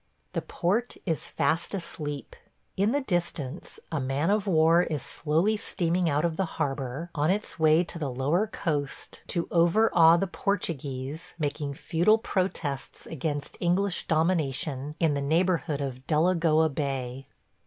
The port is fast asleep. In the distance a man of war is slowly steaming out of the harbor on its way to the lower coast to over awe the Portuguese making futile protests against English domination in the neighborhood of Delagoa Bay.